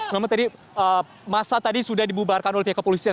memang tadi masa tadi sudah dibubarkan oleh pihak kepolisian